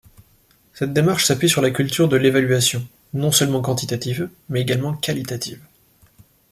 Cette démarche s'appuie sur la culture de l'évaluation, non seulement quantitative mais également qualitative.